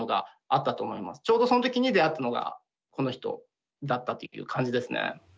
ちょうどその時に出会ったのがこの人だったっていう感じですね。